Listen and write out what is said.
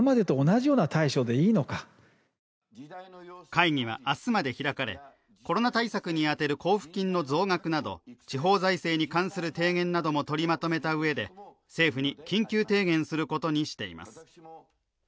会議は明日まで開かれ、コロナ対策に充てる交付金の増額など地方財政に関する提言なども取りまとめたうえで政府に緊急提言することにしています。